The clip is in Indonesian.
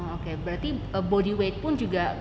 oke berarti body weight pun juga bisa dipilih